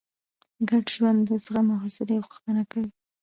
ګډ ژوند د زغم او حوصلې غوښتنه کوي.